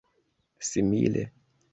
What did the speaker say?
simile